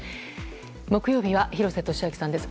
木曜日は廣瀬俊朗さんです。